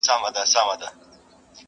په ټولۍ کي به د زرکو واویلا وه.